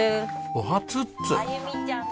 おはつっつー。